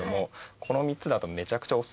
この３つだと。